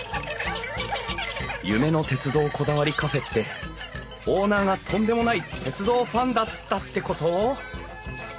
「夢の鉄道こだわりカフェ」ってオーナーがとんでもない鉄道ファンだったってこと？